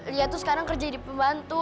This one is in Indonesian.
lia tuh sekarang kerja di pembantu